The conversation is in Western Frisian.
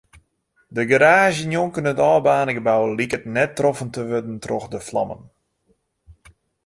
De garaazje njonken it ôfbaarnde gebou liket net troffen te wurden troch de flammen.